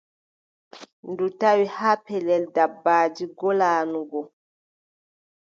Ndu tawi haa pellel dabbaaji ngoolaano go,